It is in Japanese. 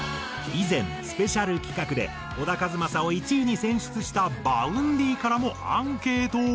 以前スペシャル企画で小田和正を１位に選出したＶａｕｎｄｙからもアンケートを。